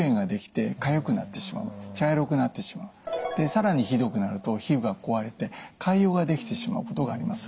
更にひどくなると皮膚が壊れて潰瘍が出来てしまうことがあります。